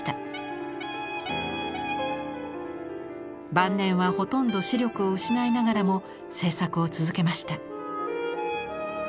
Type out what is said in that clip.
晩年はほとんど視力を失いながらも制作を続けました。